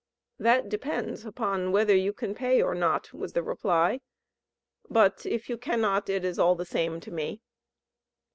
"That depends upon whether you can pay or not," was the reply; "but if you cannot, it is all the same to me."